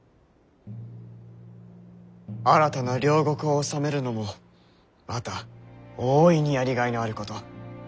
新たな領国を治めるのもまた大いにやりがいのあること。